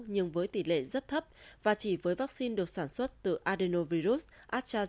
nhưng với tỷ lệ rất thấp và chỉ với vaccine được sản xuất từ adenovirus astrazeneca znz